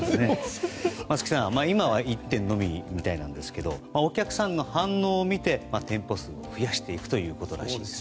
松木さん、今は１店のみみたいなんですけどお客さんの反応を見て店舗数を増やしていくということらしいです。